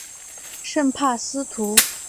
圣帕斯图。